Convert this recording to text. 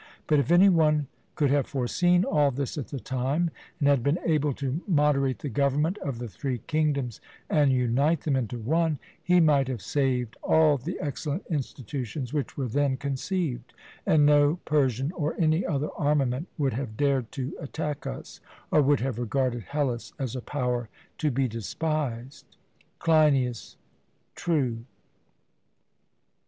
But if any one could have foreseen all this at the time, and had been able to moderate the government of the three kingdoms and unite them into one, he might have saved all the excellent institutions which were then conceived; and no Persian or any other armament would have dared to attack us, or would have regarded Hellas as a power to be despised. CLEINIAS: True.